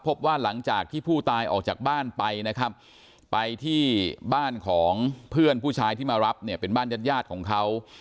พบว่าหลังจากที่ผู้ตายออกจากบ้านไปนะครับไปที่บ้านของเพื่อนผู้ชายที่มารับเนี่ยเป็นบ้านญาติญาติของเขา